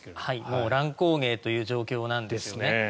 もう乱高下という状況なんですね。